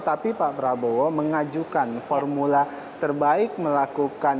tapi pak prabowo mengajukan formula terbaik melakukan